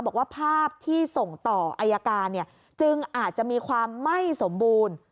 บอกว่าภาพที่ส่งต่ออายการจึงอาจจะมีความไม่สมบูรณ์